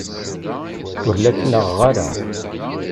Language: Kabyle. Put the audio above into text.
Ur la ttnaɣeɣ ara.